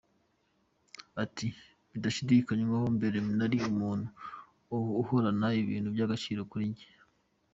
Ati "Bidashidikanywaho mbere nari umuntu uhorana ibintu by’agaciro kuri njye.